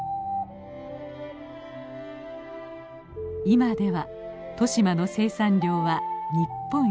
今では利島の生産量は日本一。